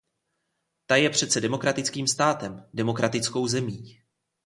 Ta je přece demokratickým státem, demokratickou zemí.